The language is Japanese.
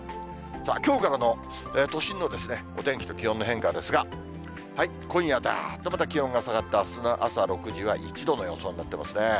きょうからの都心のお天気と気温の変化ですが、今夜、だーっとまた気温が下がって、あすの朝６時は１度の予想になってますね。